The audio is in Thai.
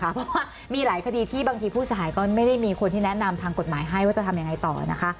เพราะว่ามีหลายคดีที่บางทีผู้เสียหายก็ไม่ได้มีคนที่แนะนำทางกฎหมายให้ว่าจะทำยังไงต่อนะคะ